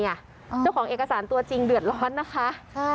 เจ้าของเอกสารตัวจริงเดือดร้อนนะคะ